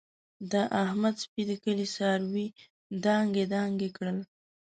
د احمد سپي د کلي څاروي دانګې دانګې کړل.